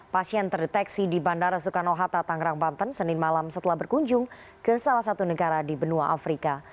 pasien terdeteksi di bandara soekarno hatta tangerang banten senin malam setelah berkunjung ke salah satu negara di benua afrika